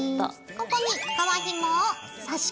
ここに皮ひもを差し込みます。